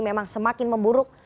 memang semakin memburuk